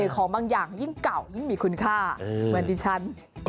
ของบางอย่างยิ่งเก่ายิ่งมีคุณค่าเหมือนดิฉัน